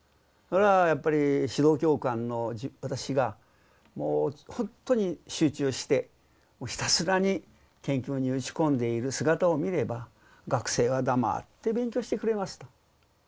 それはやっぱり指導教官の私がもうほんとに集中してひたすらに研究に打ち込んでいる姿を見れば学生は黙って勉強してくれますと。